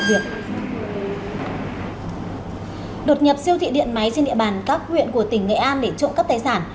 việc đột nhập siêu thị điện máy trên địa bàn các huyện của tỉnh nghệ an để trộm cắp tài sản